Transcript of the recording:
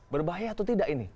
berbahaya atau tidak ini